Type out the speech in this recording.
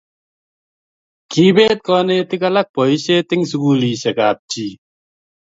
kiibet konetik alak boisiet eng' sukulisiekab chi